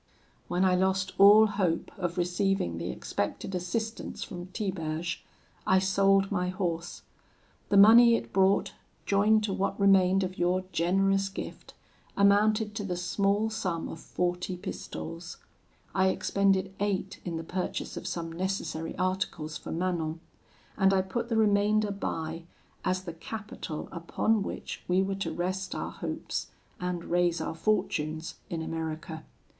"When I lost all hope of receiving the expected assistance from Tiberge, I sold my horse; the money it brought, joined to what remained of your generous gift, amounted to the small sum of forty pistoles; I expended eight in the purchase of some necessary articles for Manon; and I put the remainder by, as the capital upon which we were to rest our hopes and raise our fortunes in America.